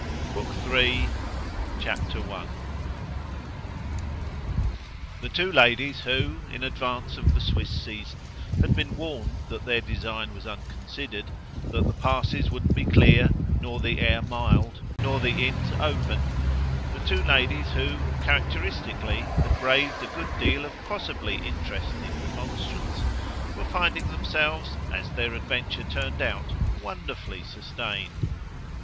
Book Third, Chapter 1 The two ladies who, in advance of the Swiss season, had been warned that their design was unconsidered, that the passes wouldn't be clear, nor the air mild, nor the inns open the two ladies who, characteristically, had braved a good deal of possibly interested remonstrance were finding themselves, as their adventure turned out, wonderfully sustained.